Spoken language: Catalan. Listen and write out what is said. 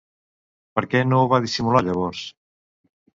Per què no ho va dissimular llavors?